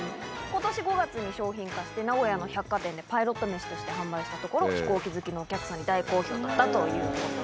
今年５月に商品化して名古屋の百貨店でパイロット飯として販売したところ飛行機好きのお客さんに大好評だったということなんです。